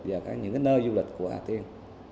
và những cái nơi du lịch của hà tiên